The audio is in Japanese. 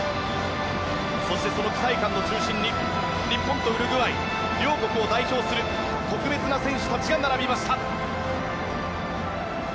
そして、その期待感の中心に日本とウルグアイ両国を代表する特別な選手たちが並びました。